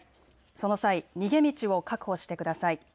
その際、逃げ道を確保してください。